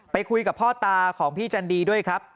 ไปคุยกับพ่อตาของพี่จันดีด้วยครับ